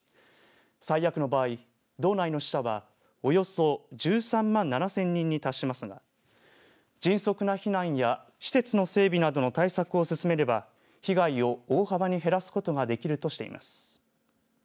最悪の場合、道内の死者はおよそ１３万７０００人に達しますが迅速な避難や施設の整備などの対策を進めれば被害を大幅に減らすことができるとしています。